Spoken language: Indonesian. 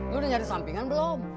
lu udah nyari sampingan belum